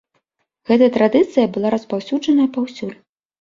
Гэтая традыцыя была распаўсюджаная паўсюль.